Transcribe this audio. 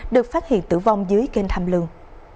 được phát hiện tử vong dưới kênh tham lương